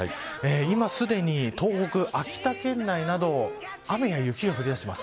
今、すでに東北、秋田県内など雨や雪が降りだしています。